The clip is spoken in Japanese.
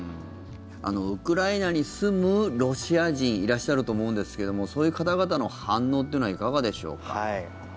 ウクライナに住むロシア人いらっしゃると思うんですけどもそういう方々の反応というのはいかがでしょうか。